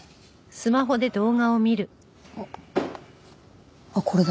あっあっこれだ。